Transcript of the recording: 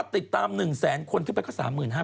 จากกระแสของละครกรุเปสันนิวาสนะฮะ